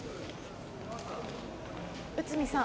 内海さん。